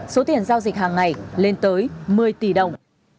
số tiền giao dịch hàng ngày lên tới một mươi tỷ đồng